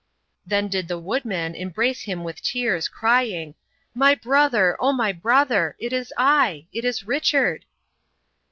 Then did the woodman embrace him with tears, crying, "My brother, O my brother! it is I! it is Richard!"